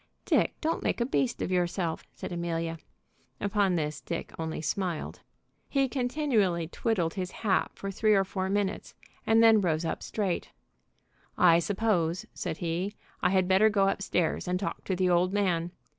"Dick, don't make a beast of yourself!" said Amelia. Upon this Dick only smiled. He continually twiddled his hat for three or four minutes, and then rose up straight. "I suppose," said he, "I had better go up stairs and talk to the old man.